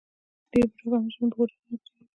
ډېر بوډاګان یې ژمی په هوټلونو کې تېروي.